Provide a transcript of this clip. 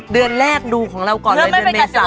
เดือนแรกดูของเราก่อนเลยเดือนเมษา